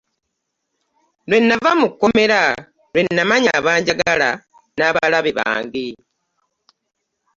Bwe nava mu kkomera lwe namanya abanjagala ne balabe bange.